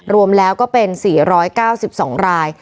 รวมแล้วก็เป็น๔๙๒ราย